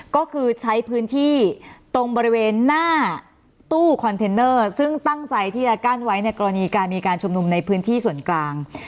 ก็คือใช้พื้นที่ตรงบริเวณหน้าตู้คอนเทนเนอร์ซึ่งตั้งใจที่จะกั้นไว้ในกรณีการมีการชุมนุมในพื้นที่ส่วนกลาง